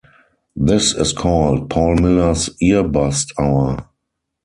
This is called 'Paul Millers Ear Bust Hour'.